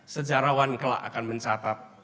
sejarawan kelak akan mencatat